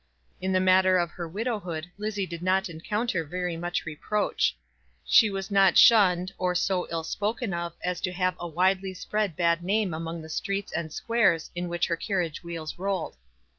In the matter of her widowhood Lizzie did not encounter very much reproach. She was not shunned, or so ill spoken of as to have a widely spread bad name among the streets and squares in which her carriage wheels rolled.